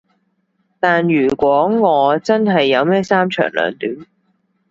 但如果我真係有咩三長兩短